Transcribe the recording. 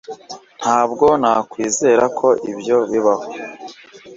ntabwo nakwizera ko ibyo bibaho